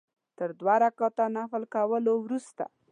تر دوه رکعته نفل کولو وروسته.